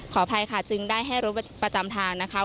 อภัยค่ะจึงได้ให้รถประจำทางนะคะ